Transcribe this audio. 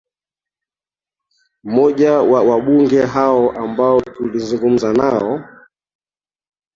mmoja wa wabunge hao ambao tulizungumza nao